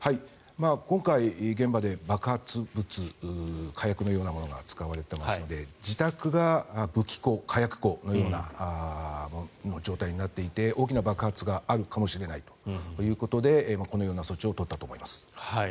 今回、現場で爆発物火薬のようなものが使われていますので自宅が武器庫、火薬庫のような状態になっていて大きな爆発があるかもしれないということでこのような措置を取ったと思います。